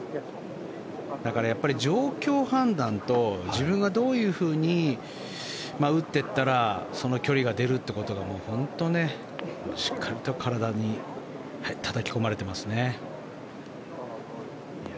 だから状況判断と自分がどういうふうに打っていったらその距離が出るっていうことが本当にしっかりと体にたたき込まれてますね。